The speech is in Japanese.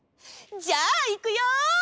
じゃあいくよ。